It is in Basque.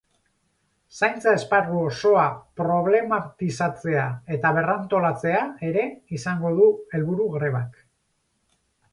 Zaintza esparru osoa problematizatzea eta berrantolatzea ere izango du helburu grebak.